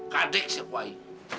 kadek si kuai